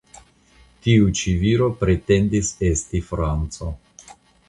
Tiu ĉi viro pretendis esti franco.